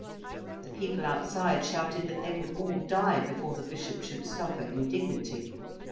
The people outside shouted that they would all die before the Bishop should suffer indignity.